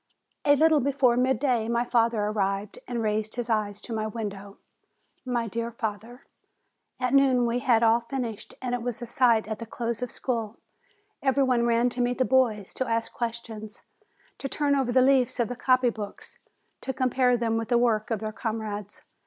A little before midday, my father arrived and raised his eyes to my window ; my dear father ! At noon we had all finished. And it was a sight at the close of school! Every one ran to meet the boys, to ask questions, to turn over the leaves of the copy books to compare them with the work of their comrades.